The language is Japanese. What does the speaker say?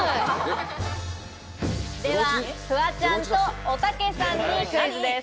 ではフワちゃんと、おたけさんにクイズです。